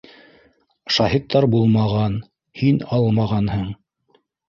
Шаһиттар булмаған, һин алмағанһың